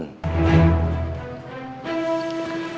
masih jadi anak buah bos ubon